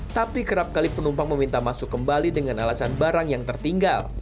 tapi kerap kali penumpang meminta masuk kembali dengan alasan barang yang tertinggal